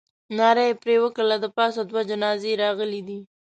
ناره یې پر وکړه. د پاسه دوه جنازې راغلې دي.